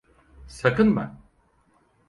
Sakınma.